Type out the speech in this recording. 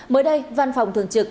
mới đây văn phòng thường trực